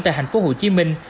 tại hành phố hồ chí minh